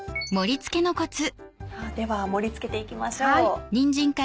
では盛り付けていきましょう。